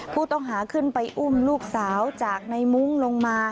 ผู้ต้องหาขึ้นไปอุ้มลูกสาวจากในมุ้งลงมา